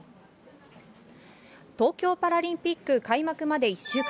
東京パラリンピック開幕まで１週間。